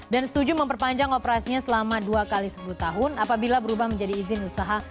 dan setuju memperpanjang operasinya selama dua x sepuluh tahun apabila berubah menjadi izin usaha